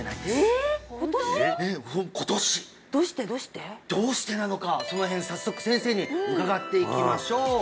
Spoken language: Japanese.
ええ今年どうしてなのかその辺早速先生に伺っていきましょう